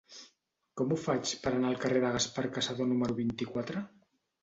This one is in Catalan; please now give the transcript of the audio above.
Com ho faig per anar al carrer de Gaspar Cassadó número vint-i-quatre?